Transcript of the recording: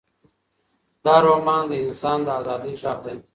دا رومان د انسانانو د ازادۍ غږ دی.